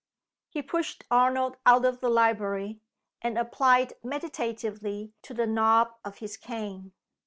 He pushed Arnold out of the library, and applied meditatively to the knob of his cane.